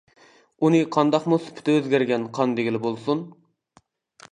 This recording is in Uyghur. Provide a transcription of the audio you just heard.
ئۇنى قانداقمۇ سۈپىتى ئۆزگەرگەن قان دېگىلى بولسۇن.